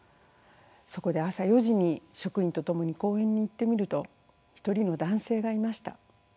そこで朝４時に職員と共に公園に行ってみると一人の男性がいました。